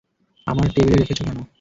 আমার টেবিলে রেখেছো কেন?